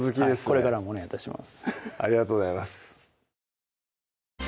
これからもお願い致します